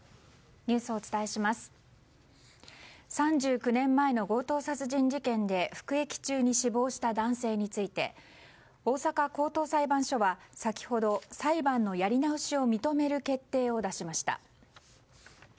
３９年前の強盗殺人事件で服役中に死亡した男性について大阪高等裁判所は先ほど裁判のやり直しを認める決定を出しました。